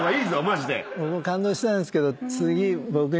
僕も感動したんですけど。